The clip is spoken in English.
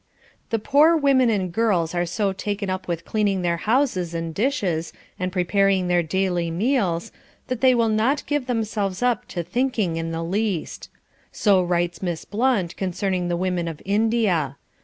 The poor women and girls are so taken up with cleaning their houses and dishes, and preparing their daily meals, that they will not give themselves up to thinking in the least. So writes Miss Blunt concerning the women of India.